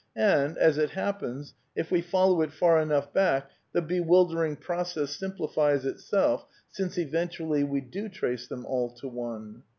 And, as it happens, if we follow it far enough back, the bewildering process simpli fies itself, since eventually we do trace them all to one.